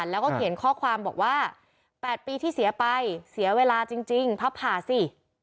แล้วก็เขียนข้อความบอกว่า๘ปีที่เสียไปเสียเวลาจริงพับผ่าสิ